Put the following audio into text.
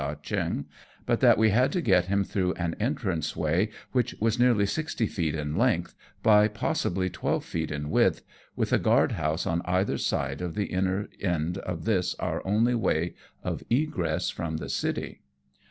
Ah Cheong, but that we hSd to get him through an entrance way which was nearly sixty feet in length, by possibly twelve feet in width, with a guard house on either side of the inner end of this our only way of egress from the city.